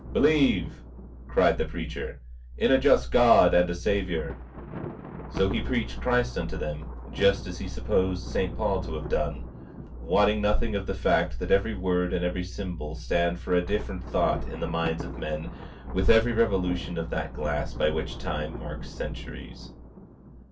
"Believe," cried the preacher, "in a just God and a Saviour." So he preached Christ unto them, just as he supposed St. Paul to have done, wotting nothing of the fact that every word and every symbol stand for a different thought in the minds of men with every revolution of that glass by which Time marks centuries.